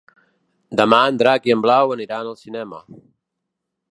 Demà en Drac i na Blau aniran al cinema.